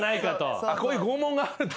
こういう拷問があるって？